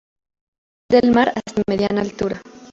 Desde el nivel del mar hasta mediana altura.